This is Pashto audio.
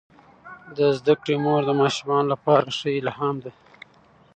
د زده کړې مور د ماشومانو لپاره ښه الهام ده.